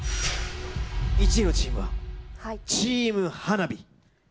１位のチームは、チームハナビ。